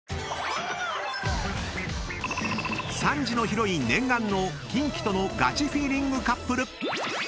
［３時のヒロイン念願のキンキとのガチフィーリングカップル］